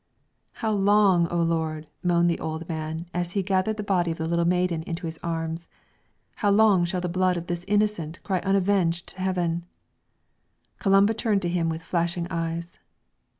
"How long, O Lord," moaned the old man, as he gathered the body of the little maiden into his arms, "how long shall the blood of this innocent cry unavenged to heaven?" Columba turned to him with flashing eyes.